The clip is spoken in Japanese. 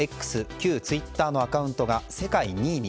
旧ツイッターのアカウントが世界２位に。